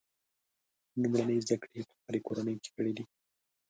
لومړۍ زده کړې یې په خپله کورنۍ کې کړي دي.